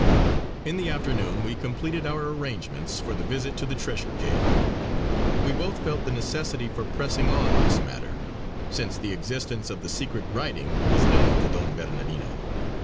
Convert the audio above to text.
In the afternoon we completed our arrangements for the visit to the treasure cave. We both felt the necessity for pressing on this matter, since the existence of the secret writing was known to Don Bernardino.